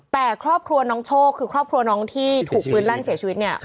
แต่ครอบครัวน้องโชคคือครอบครัวน้องที่ถูกปืนลั่นเสียชีวิตเนี่ย